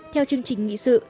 theo chương trình nghị sự